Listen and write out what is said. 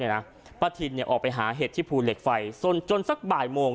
ป้าทินออกไปหาเห็ดที่ภูเหล็กไฟจนสักบ่ายโมง